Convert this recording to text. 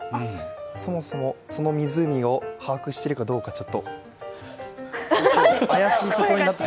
そもそも、その湖を把握しているかどうかちょっと怪しい。